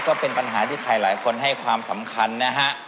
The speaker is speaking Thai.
ก็เป็นปัญหาที่ใครหลายคนให้ความสำคัญนะฮะ